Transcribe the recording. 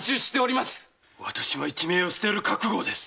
私も一命を捨てる覚悟です！